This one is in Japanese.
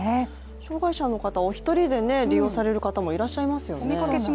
障害者の方お一人で利用される方もいらっしゃいますよね。